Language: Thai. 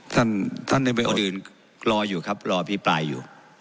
ท่านท่านเป็นคนอื่นรออยู่ครับรออภิปรายอยู่